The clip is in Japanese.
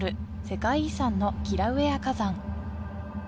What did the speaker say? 世界遺産のキラウエア火山